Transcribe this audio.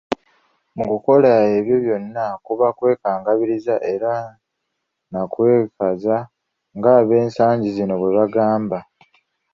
Mu kukola ebyo byonna, kuba kwekangabiriza era nakwekaza nga ab'ensangi zino bwe bagamba .